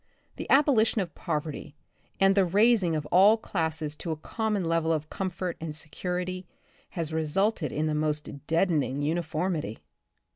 The aboli tion of poverty, and the raising of all classes to a common level of comfort and security, has resulted in the most deadening uniformity.